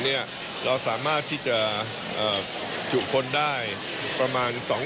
เราสามารถที่จะทุกคนได้ประมาณ๒๕๐๐๐๐คนเอง